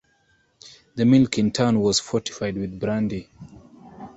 The milk in turn was fortified with brandy.